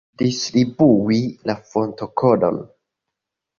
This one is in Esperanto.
Distribui la fontokodon.